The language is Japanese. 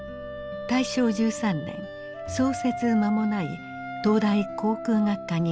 大正１３年創設間もない東大航空学科に入学。